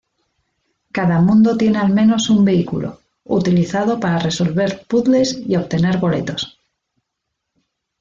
Cada mundo tiene al menos un vehículo, utilizado para resolver puzzles y obtener boletos.